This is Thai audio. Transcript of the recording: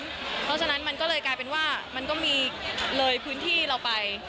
เพราะฉะนั้นมันก็เลยกลายเป็นว่ามันก็มีเลยพื้นที่เราไป